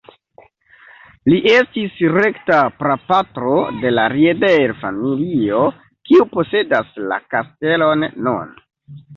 Li estis rekta prapatro de la Rieder-familio kiu posedas la kastelon nun.